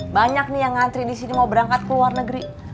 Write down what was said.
banyak nih yang ngantri di sini mau berangkat ke luar negeri